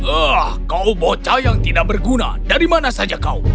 ah kau bocah yang tidak berguna dari mana saja kau